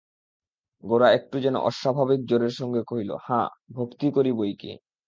গোরা একটু যেন আস্বাভাবিক জোরের সঙ্গে কহিল, হাঁ, ভক্তি করি বৈকি।